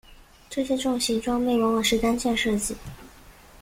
这些重型装备往往是单件设计。